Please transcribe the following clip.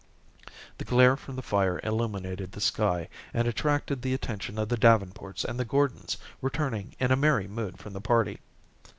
The glare from the fire illuminated the sky, and attracted the attention of the Davenports and the Gordons returning in a merry mood from the party.